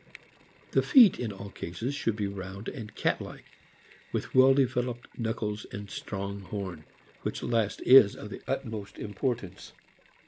The feet in all cases should be round and cat like, with well developed knuckles and strong horn, which last is of the utmost importance.